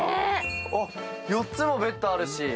４つもベッドあるし。